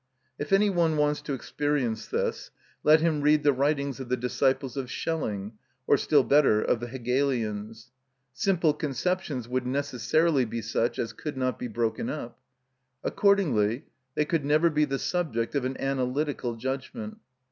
If any one wants to experience this let him read the writings of the disciples of Schelling, or still better of the Hegelians. Simple conceptions would necessarily be such as could not be broken up. Accordingly they could never be the subject of an analytical judgment.